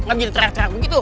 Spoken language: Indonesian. gak bisa teriak teriak begitu